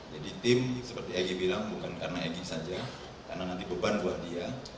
jadi tim seperti egy bilang bukan karena egy saja karena nanti beban buat dia